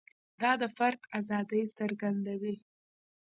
دا د فرد ازادي څرګندوي.